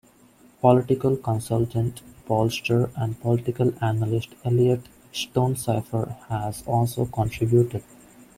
Political consultant, pollster, and political analyst Elliott Stonecipher has also contributed.